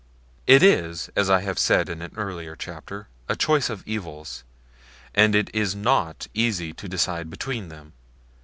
It is, as I have said in an early chapter, a choice of evils; and it is not easy to decide between them.